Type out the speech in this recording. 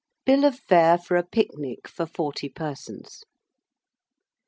BILL OF FARE FOR A PICNIC FOR 40 PERSONS.